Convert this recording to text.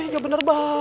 iya bener baik